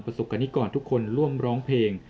สุกรณิกรทุกคนร่วมร้องเพลง